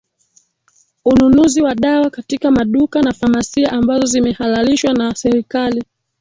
ununuzi wa dawa katika maduka na famasia ambazo zimehalalishwa na serikali